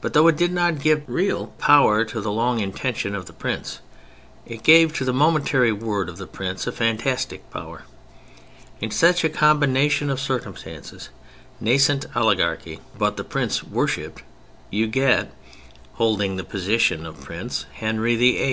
But though it did not give real power to the long intention of the prince, it gave to the momentary word of the prince a fantastic power. In such a combination of circumstances—nascent oligarchy, but the prince worshipped—you get, holding the position of prince, Henry VIII.